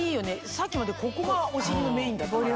さっきまでここがお尻のメインだったから。